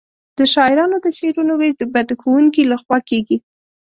د شاعرانو د شعرونو وېش به د ښوونکي له خوا کیږي.